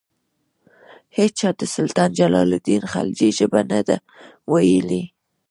هیچا د سلطان جلال الدین خلجي ژبه نه ده ویلي.